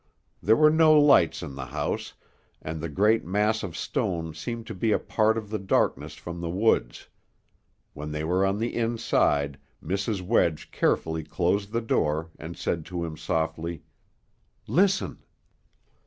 There were no lights in the house, and the great mass of stone seemed to be a part of the darkness from the woods. When they were on the inside, Mrs. Wedge carefully closed the door, and said to him softly, "Listen!"